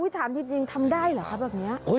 ถามจริงทำได้เหรอคะแบบนี้